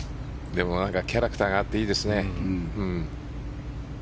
キャラクターがあっていいですね。